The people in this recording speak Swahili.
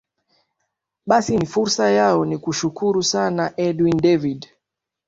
basi ni fursa yao nikushukuru sana edwin david